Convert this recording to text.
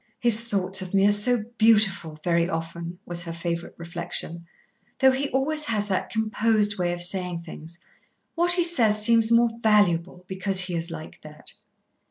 "His thoughts of me are so beautiful very often," was her favourite reflection, "though he always has that composed way of saying things. What he says seems more valuable, because he is like that."